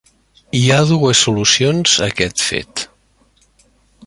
Hi ha dues solucions a aquest fet.